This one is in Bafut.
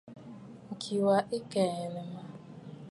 Ŋ̀ki wa ɨ kɛ̀ɛ̀nə̀ mə̂.